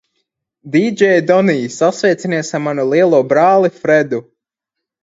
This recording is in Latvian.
Dīdžej Donij, sasveicinies ar manu lielo brāli Fredu!